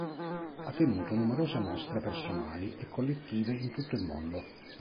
Ha tenuto numerose mostre personali e collettive in tutto il mondo.